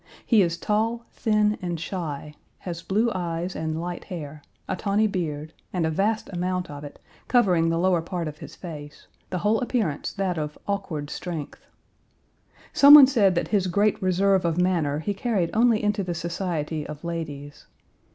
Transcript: He is tall, thin, and shy; has blue eyes and light hair; a tawny beard, and a vast amount of it, covering the lower part of his face, the whole appearance that of awkward strength. Some one said that his great reserve of manner he carried only into the society of ladies.